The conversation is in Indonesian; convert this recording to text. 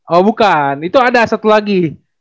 oh bukan itu ada satu lagi